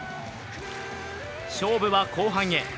勝負は後半へ。